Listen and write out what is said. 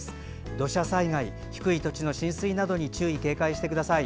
土砂災害、低い土地の浸水などに注意・警戒してください。